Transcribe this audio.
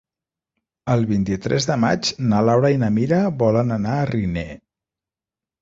El vint-i-tres de maig na Laura i na Mira volen anar a Riner.